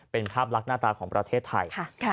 เป็นภาพลักษณ์หน้าตาของประเทศไทย